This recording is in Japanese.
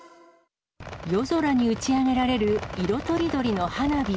夜空に打ち上げられる、色とりどりの花火。